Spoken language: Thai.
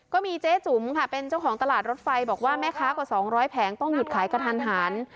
ก็มีเจ๊จุ๋มค่ะเป็นเจ้าของตลาดรถไฟบอกว่าแม่ค้ากว่า๒๐๐แผงต้องหยุดขายกระทันหัน